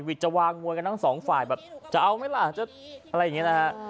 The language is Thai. วิจวางมวยกันทั้งสองฝ่ายแบบจะเอาไหมล่ะ